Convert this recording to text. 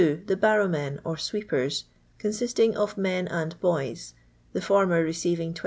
The barrow men, or sweepers, consisting of men and hoyn; the former receiving 12s.